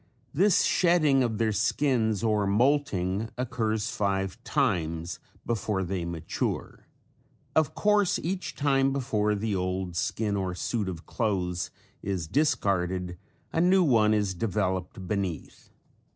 This shedding of their skins or molting occurs five times before they mature. Of course each time before the old skin or suit of clothes is discarded a new one is developed beneath.